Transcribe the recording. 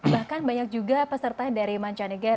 bahkan banyak juga peserta dari mancanegara